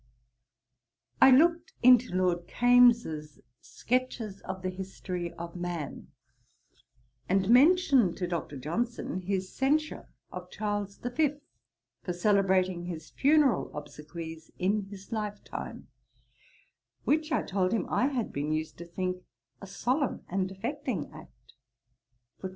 I looked into Lord Kames's Sketches of the History of Man; and mentioned to Dr. Johnson his censure of Charles the Fifth, for celebrating his funeral obsequies in his life time, which, I told him, I had been used to think a solemn and affecting act.